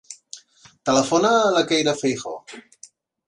Telefona a la Keira Feijoo.